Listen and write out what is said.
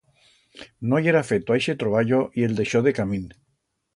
No yera feto a ixe troballo y el deixó decamín.